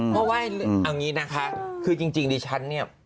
เพราะว่าเอาอย่างนี้นะคะคือจริงดิฉันเนี่ย